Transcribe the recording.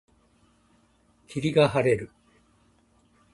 霧が晴れる。